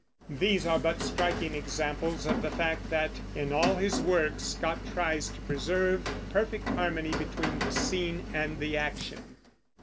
These are but striking examples of the fact that, in all his work, Scott tries to preserve perfect harmony between the scene and the action.